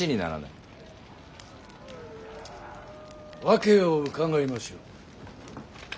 訳を伺いましょう。